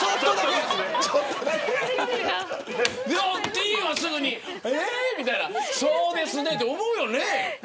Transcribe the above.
ティーンはすぐにええみたいなそうですねって思うよね。